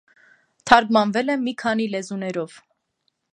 Թարգմանվել է մի քանի լեզուներով։